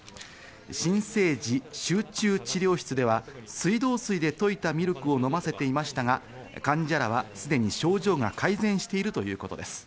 新生児集中治療室では水道水で溶いたミルクを飲ませていましたが、患者らはすでに症状が改善しているということです。